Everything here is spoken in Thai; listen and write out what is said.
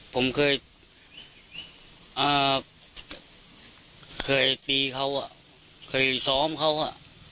ผมเคยตีเขาเคยซ้อมเขาอ่ะ